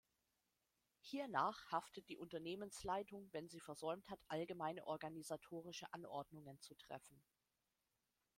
Hiernach haftet die Unternehmensleitung, wenn sie versäumt hat, allgemeine organisatorische Anordnungen zu treffen.